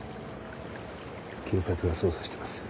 警察が捜査してます。